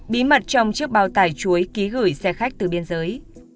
bí mật trong chiếc bao tải chuối ký gửi xe khách từ biên giới